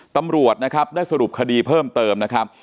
ตำรวจนะครับได้สรุปคดีเพิ่มเติมนะครับ